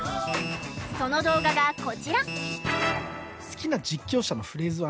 その動画がこちら。